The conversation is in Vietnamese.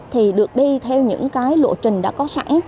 thì được đi theo những cái lộ trình đã có sẵn